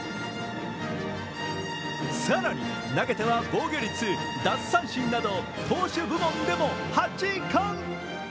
更に投げては防御率、奪三振など投手部門でも８冠。